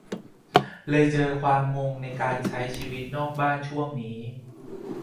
เลยเจอความงงในการใช้ชีวิตนอกบ้านช่วงนี้